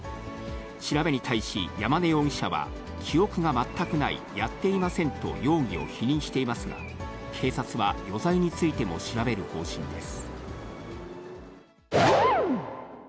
調べに対し、山根容疑者は、記憶が全くない、やっていませんと容疑を否認していますが、警察は余罪についても調べる方針です。